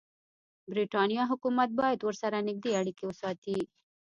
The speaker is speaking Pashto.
برټانیې حکومت باید ورسره نږدې اړیکې وساتي.